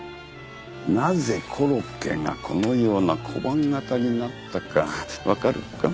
なぜコロッケがこのような小判形になったかわかるか？